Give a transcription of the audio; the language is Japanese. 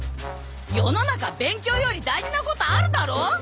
世の中勉強より大事なことあるだろ！？